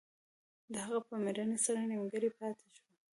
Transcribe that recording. د هغه په مړینې سره نیمګړی پاتې شو.